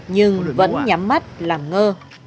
nhưng vẫn nhắm mắt làm ngơ